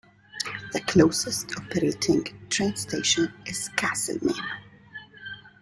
The closest operating train station is Castlemaine.